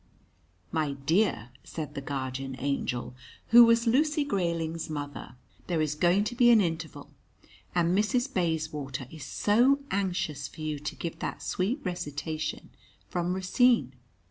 "My dear," said the Guardian Angel, who was Lucy Grayling's mother, "there is going to be an interval, and Mrs. Bayswater is so anxious for you to give that sweet recitation from Racine."